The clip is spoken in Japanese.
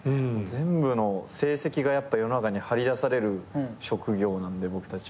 全部の成績が世の中に張り出される職業なんで僕たちは。